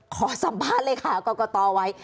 ขอสัมภาษุเลขาก่อก่อต่อไว้